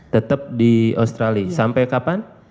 tetap di australia sampai kapan